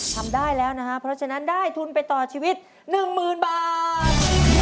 ทำได้แล้วนะครับเพราะฉะนั้นได้ทุนไปต่อชีวิต๑๐๐๐บาท